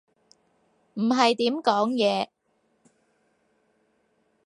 唔係點講嘢